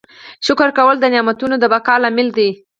شکر کول د نعمتونو د بقا لامل دی.